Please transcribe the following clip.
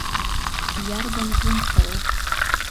Иарбан гәынхароу.